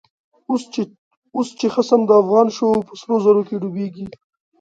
اوس چه خصم دافغان شو، په سرو زرو کی ډوبیږی